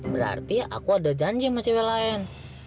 berarti aku ada janji sama cewek lain